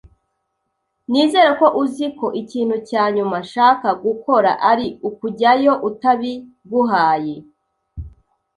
Nizere ko uzi ko ikintu cya nyuma nshaka gukora ari ukujyayo utabiguhaye .